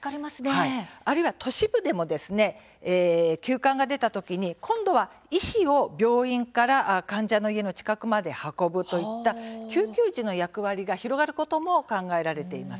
あるいは都市部でも急患が出たときに今度は医師を病院から患者の家の近くまで運ぶといった緊急時の役割が広がることも考えられています。